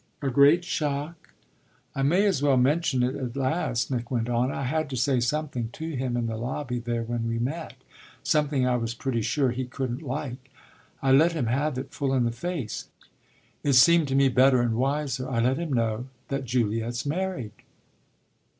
"A great shock?" "I may as well mention it at last," Nick went on. "I had to say something to him in the lobby there when we met something I was pretty sure he couldn't like. I let him have it full in the face it seemed to me better and wiser. I let him know that Juliet's married."